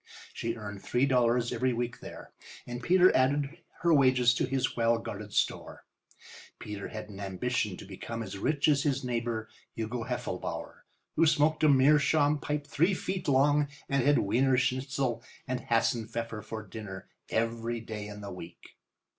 She earned three dollars every week there, and Peter added her wages to his well guarded store. Peter had an ambition to become as rich as his neighbour, Hugo Heffelbauer, who smoked a meerschaum pipe three feet long and had wiener schnitzel and hassenpfeffer for dinner every day in the week.